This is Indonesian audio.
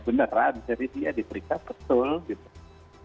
beneran seri seri ya diperiksa betul gitu